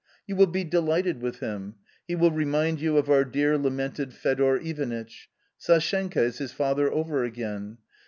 You will be delighted with him; he will remind you of our dear lamented Fedor Ivanitch. Sashenka is his father over again.